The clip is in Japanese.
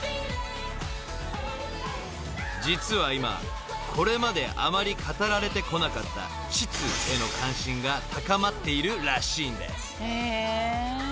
［実は今これまであまり語られてこなかった膣への関心が高まっているらしいんです］